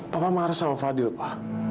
papa marah sama fadil pak